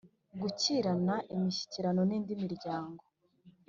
Kugirana imishyikirano n indi miryango